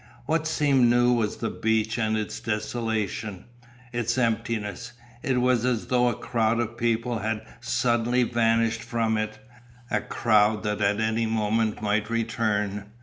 What seemed new was the beach and its desolation its emptiness. It was as though a crowd of people had suddenly vanished from it; a crowd that any moment might return.